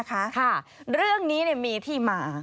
เรื่องนี้มีที่มา